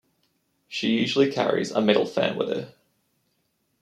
She usually carries a metal fan with her.